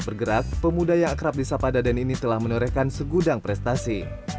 bergerak pemuda yang akrab di sapa daden ini telah menorehkan segudang prestasi